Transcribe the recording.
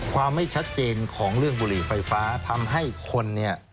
ความไม่ชัดเจนของเรื่องบุหรี่ไฟฟ้าทำให้คนเนี่ย